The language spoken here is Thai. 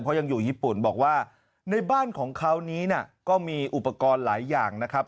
เพราะยังอยู่ญี่ปุ่นบอกว่าในบ้านของเขานี้ก็มีอุปกรณ์หลายอย่างนะครับ